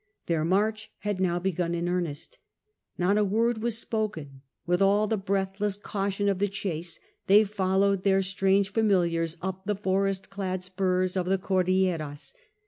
Their march had now begun in earnest. Not a word was spoken ; with all the breathless caution of the chase they followed their strange familiars up the forest clad spurs of the Cordilleras.